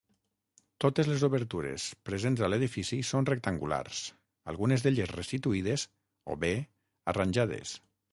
Totes les obertures presents a l'edifici són rectangulars, algunes d'elles restituïdes o bé arranjades.